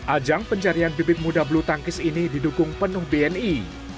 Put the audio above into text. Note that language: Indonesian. ajang pencarian bibit muda bulu tangkis ini didukung penuh bni